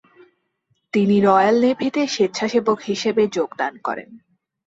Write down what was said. তিনি রয়াল নেভিতে স্বেচ্ছাসেবক হিসেবে যোগদান করেন।